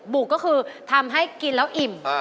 บุกก็คือทำให้กินแล้วอิ่ม